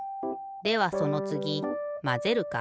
ではそのつぎまぜるか？